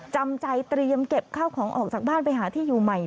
จำใจเตรียมเก็บข้าวของออกจากบ้านไปหาที่อยู่ใหม่